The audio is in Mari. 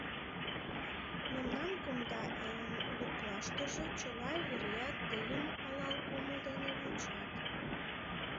Мемнан кумда элын луклаштыже чыла вереат тыйым алал кумыл дене вучат.